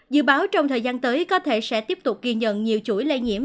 dự báo trong thời gian tới có thể sẽ tiếp tục ghi nhận nhiều chuỗi lây nhiễm